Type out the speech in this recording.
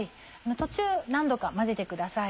途中何度か混ぜてください。